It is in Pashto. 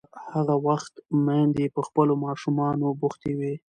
هغه وخت میندې په خپلو ماشومانو بوختې وې.